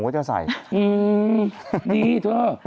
ดีเธอ